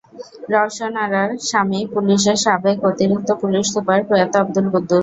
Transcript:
রওশন আরার স্বামী পুলিশের সাবেক অতিরিক্ত পুলিশ সুপার প্রয়াত আবদুল কুদ্দুস।